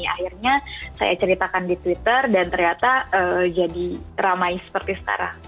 akhirnya saya ceritakan di twitter dan ternyata jadi ramai seperti sekarang